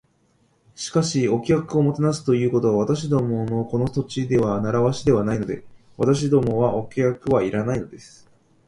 「しかし、お客をもてなすということは、私どものこの土地では慣わしではないので。私どもはお客はいらないのです」